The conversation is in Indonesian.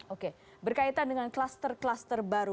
oke berkaitan dengan kluster kluster baru